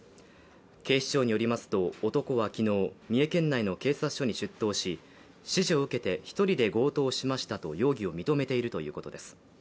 警視庁によりますと男は昨日、三重県内の警察署に出頭し指示を受けて１人で強盗しましたと容疑を認めているということです。